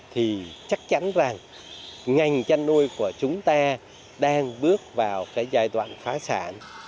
thì chắc chắn là ngành chăn nuôi của chúng ta đang bước vào cái giai đoạn phá sản